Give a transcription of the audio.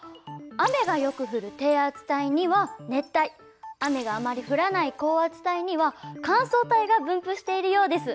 雨がよく降る低圧帯には熱帯雨があまり降らない高圧帯には乾燥帯が分布しているようです。